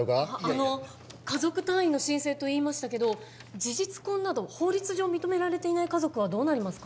あの家族単位の申請と言いましたけど事実婚など法律上認められていない家族はどうなりますか？